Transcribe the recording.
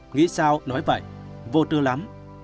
nghĩ sao nói vậy vô tư lắm